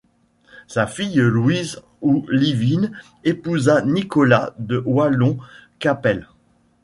Sa fille Louise ou Livine épousa Nicolas de Wallon Cappel.